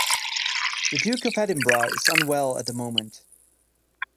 The Duke of Edinburgh is unwell at the moment.